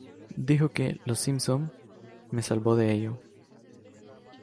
Dijo que ""Los Simpson" me salvó de ello".